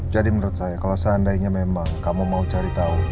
jadi menurut saya kalau seandainya memang kamu mau cari tahu